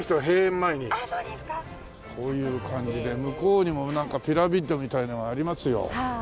こういう感じで向こうにもなんかピラミッドみたいなのがありますよ。